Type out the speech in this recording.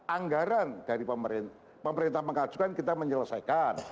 anggaran dari pemerintah mengajukan kita menyelesaikan